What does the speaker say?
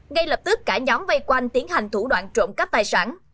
ngay lập tức cả nhóm vây quanh tiến hành thủ đoạn trộm cắp tài sản